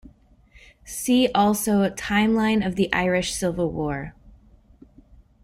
"See also Timeline of the Irish Civil War"